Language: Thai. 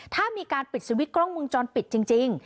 ถ้ามีการปิดสวิตช์กล้องมุมจรปิดจริง